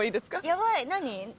ヤバい何？